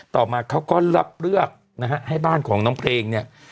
ต่อมาเขาก็รับเลือกนะฮะให้บ้านของน้องเพลงเนี่ย